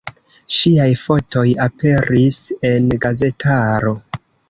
Ŝiaj fotoj aperis en gazetaro.